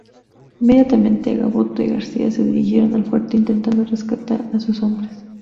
Inmediatamente Gaboto y García se dirigieron al fuerte intentando rescatar a sus hombres.